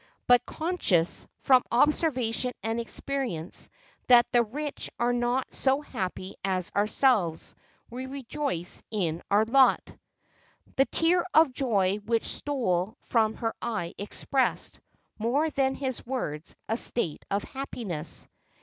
But conscious, from observation and experience, that the rich are not so happy as ourselves, we rejoice in our lot." The tear of joy which stole from her eye expressed, more than his words, a state of happiness.